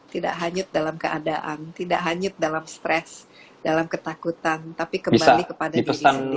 tidak hanyut dalam keadaan tidak hanyut dalam stres dalam ketakutan tapi kembali kepada diri sendiri